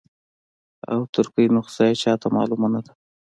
او ترکي نسخه یې چاته معلومه نه ده.